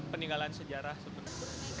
peninggalan sejarah sebenarnya